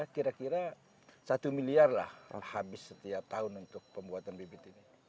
kira kira satu miliar lah yang habis setiap tahun untuk pembuatan bibit ini